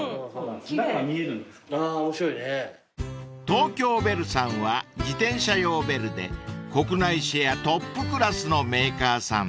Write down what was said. ［東京ベルさんは自転車用ベルで国内シェアトップクラスのメーカーさん］